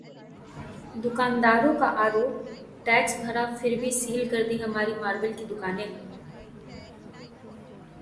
दुकानदारों का आरोप, टैक्स भरा फिर भी सील कर दी हमारी मार्बल की दुकानें